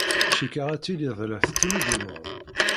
Cikkeɣ ad tilid la tettnuddumed.